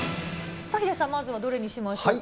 さあ、ヒデさん、まずはどれにしましょうか。